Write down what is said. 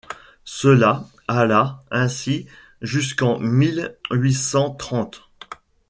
Cela alla ainsi jusqu’en mille huit cent trente.